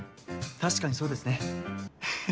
確かにそうですね。